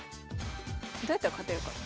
どうやったら勝てるかな。